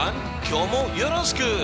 今日もよろしく。